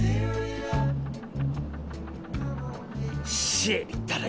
シエリったら